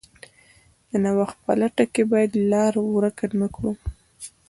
د نوښت په لټه کې باید لار ورکه نه کړو.